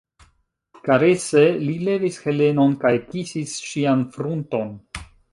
Karese li levis Helenon kaj kisis ŝian frunton.